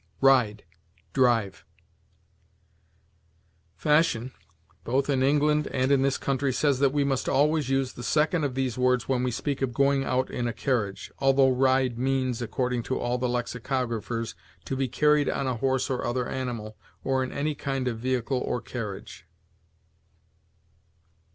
RIDE DRIVE. Fashion, both in England and in this country, says that we must always use the second of these words when we speak of going out in a carriage, although ride means, according to all the lexicographers, "to be carried on a horse or other animal, or in any kind of vehicle or carriage."